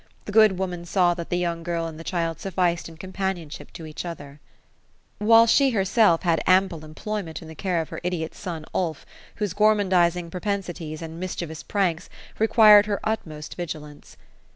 The good woman saw that the young girl and the child sufficed in companionship to each other ; whUe she herself THE ROSE OF EL8INORE. 209 bad ample emplojmeDt fn the care of her idiot sod, Ulf, whose gor mandising propensities, and mischieyous pranks, required her utmost vigilance.